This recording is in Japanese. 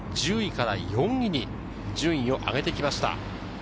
１０位から４位に順位を上げてきました。